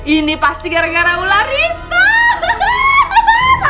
ini pasti gara gara ular itu